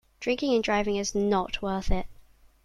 Drinking and driving is not worth it.